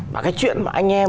và cái chuyện mà anh em